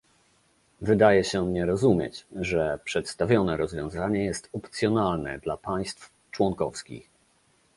Wydaje się on nie rozumieć, że przedstawione rozwiązanie jest opcjonalne dla państw członkowskich